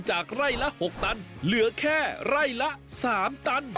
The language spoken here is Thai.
ไร่ละ๖ตันเหลือแค่ไร่ละ๓ตัน